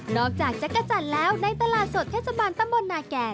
อกจากจักรจันทร์แล้วในตลาดสดเทศบาลตำบลนาแก่